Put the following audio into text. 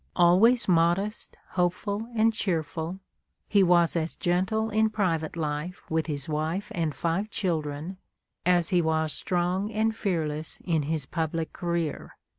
Always modest, hopeful, and cheerful, he was as gentle in his private life with his wife and five children, as he was strong and fearless in his public career.